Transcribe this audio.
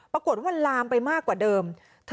ปรากฏว่ามันลามไปมากกว่าเดิม